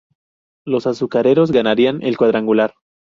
Los azucareros ganarían el cuadrangular.